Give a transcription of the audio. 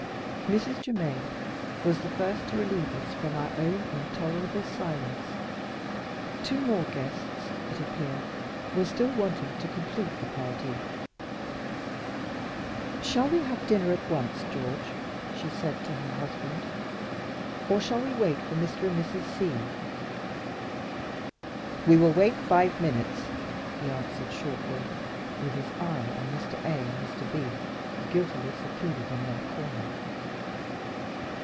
Mrs. Germaine was the first to relieve us from our own intolerable silence. Two more guests, it appeared, were still wanting to complete the party. "Shall we have dinner at once, George?" she said to her husband. "Or shall we wait for Mr. and Mrs. C?" "We will wait five minutes," he answered, shortly with his eye on Mr. A and Mr. B, guiltily secluded in their corner.